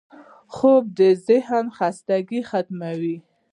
خوب د ذهنو خستګي ختموي